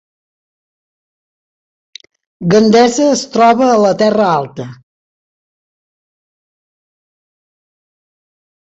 Gandesa es troba a la Terra Alta